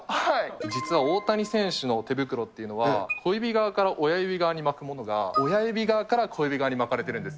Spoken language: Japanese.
実は大谷選手の手袋っていうのは、小指側から親指側に巻くものが、親指側から小指側に巻かれているんです。